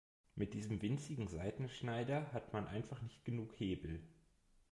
Mit diesem winzigen Seitenschneider hat man einfach nicht genug Hebel.